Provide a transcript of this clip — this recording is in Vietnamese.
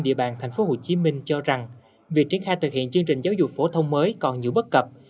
địa bàn tp hcm cho rằng việc triển khai thực hiện chương trình giáo dục phổ thông mới còn nhiều bất cập